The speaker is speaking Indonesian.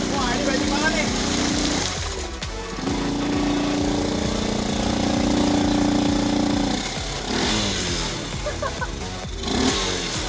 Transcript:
wah ini baju banget nih